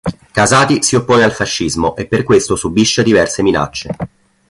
Casati si oppone al fascismo e per questo subisce diverse minacce.